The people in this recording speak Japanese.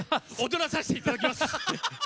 踊らさせていただきます！